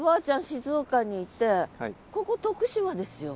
静岡にいてここ徳島ですよ？